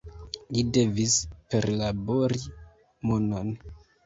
Li devis perlabori monon.